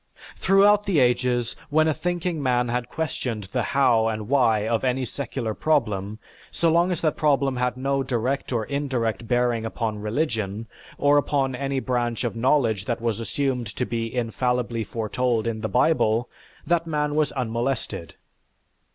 Throughout the ages, when a thinking man had questioned the how and why of any secular problem, so long as that problem had no direct or indirect bearing upon religion, or upon any branch of knowledge that was assumed to be infallibly foretold in the Bible, that man was unmolested.